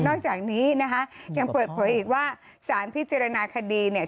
จากนี้นะคะยังเปิดเผยอีกว่าสารพิจารณาคดีเนี่ย